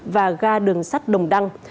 và ga đường sắt đồng đăng